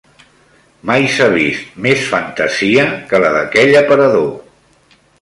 Mai s'ha vist més fantasia que la d'aquell aparador.